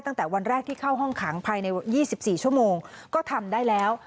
ตั้งแต่วันแรกที่เข้าห้องขังภายใน๒๔ชั่วโมงก็ทำได้แล้ว